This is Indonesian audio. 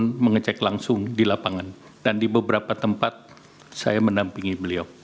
dan saya juga mengecek langsung di lapangan dan di beberapa tempat saya menampingi beliau